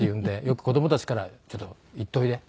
よく子供たちから「ちょっと言っておいで」